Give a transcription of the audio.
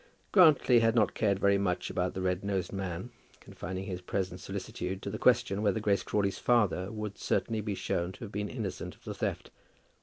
Grantly had not cared very much about the red nosed man, confining his present solicitude to the question whether Grace Crawley's father would certainly be shown to have been innocent of the theft.